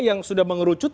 yang sudah mengerucut